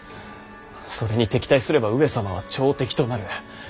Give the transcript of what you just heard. それに敵対すれば上様は朝敵となる。